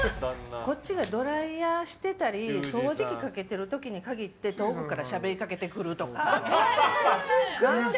こっちがドライヤーしてたり掃除機かけている時に限って遠くからしゃべりかけてくるとか。